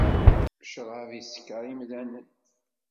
Ccrab isekker imdanen.